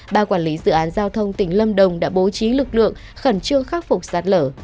ba quản lý dự án giao thông tỉnh lâm đồng đã bố trí lực lượng khẩn trương khắc phục sạt lở